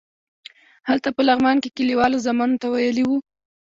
هلته په لغمان کې کلیوالو زامنو ته ویلي وو.